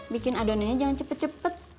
bikin adonannya jangan cepet cepet